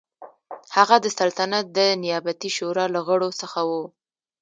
هغه د سلطنت د نیابتي شورا له غړو څخه و.